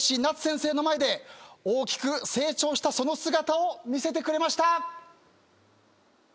夏先生の前で大きく成長したその姿を見せてくれました。